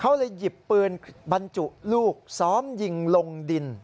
เขาเลยหยิบปืนบรรจุลูกซ้อมยิงลงดิน